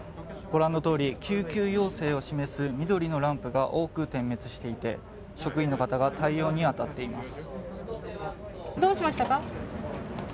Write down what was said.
ご覧のとおり救急要請を示す緑のランプが多く点滅していて職員の方が対応に当たっています。